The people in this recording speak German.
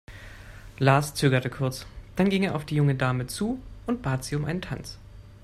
Lars zögerte kurz, dann ging er auf die junge Dame zu und bat sie um einen Tanz.